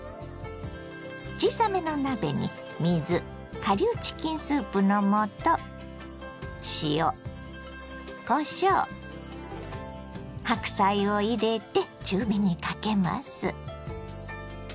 小さめの鍋に水顆粒チキンスープの素塩こしょう白菜を入れて中火にかけます。